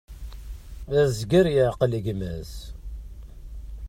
Azger yeεqel gma-s.